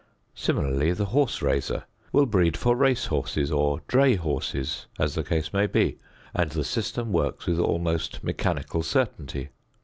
Similarly the horse raiser will breed for race horses or dray horses as the case may be, and the system works with almost mechanical certainty.